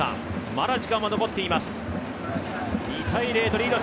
まだ時間は残っています。